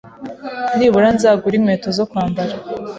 nibura nzagure inkweto zo kwambara